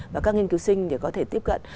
và các nghiên cứu sinh để có thể tiếp cận